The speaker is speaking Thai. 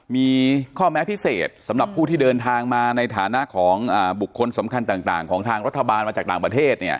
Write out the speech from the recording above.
มีข้อแม้พิเศษสำหรับผู้ที่เดินทางมาในฐานะของบุคคลสำคัญต่างของทางรัฐบาลมาจากต่างประเทศ